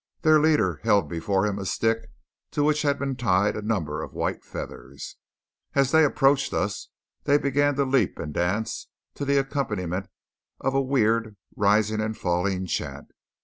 Their leader held before him a stick to which had been tied a number of white feathers. As they approached us they began to leap and dance to the accompaniment of a weird rising and falling chant.